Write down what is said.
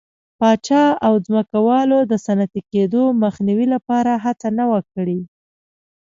پاچا او ځمکوالو د صنعتي کېدو مخنیوي لپاره هڅه نه وه کړې.